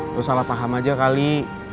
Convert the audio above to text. terus salah paham aja kali